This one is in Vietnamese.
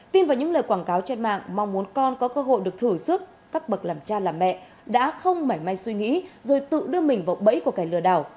tin vào những lời quảng cáo trên mạng mong muốn con có cơ hội được thử sức các bậc làm cha làm mẹ đã không mảnh may suy nghĩ rồi tự đưa mình vào bẫy của kẻ lừa đảo